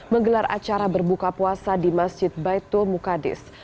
menggelar acara berbuka puasa di masjid baitul mukadis